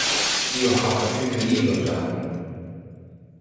Io ha facite illo jam.